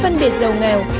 phân biệt giàu nghèo